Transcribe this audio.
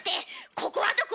ここはどこ？